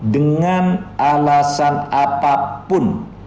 dengan alasan apapun